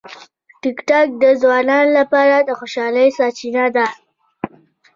ټیکټاک د ځوانانو لپاره د خوشالۍ سرچینه ده.